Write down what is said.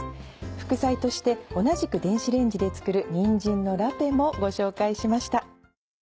副菜として同じく電子レンジで作るにんじんのラペもご紹介しました。